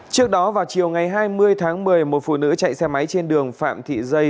trước đó vào chiều ngày hai mươi tháng một mươi một phụ nữ chạy xe máy trên đường phạm thị dây